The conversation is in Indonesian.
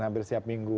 hampir setiap minggu